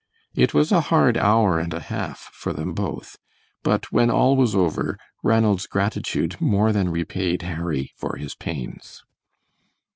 It was a hard hour and a half for them both, but when all was over, Ranald's gratitude more than repaid Harry for his pains.